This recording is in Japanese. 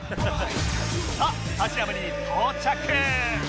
さあスタジアムに到着！